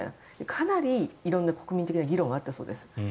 かなり色んな国民的な議論はあったようです。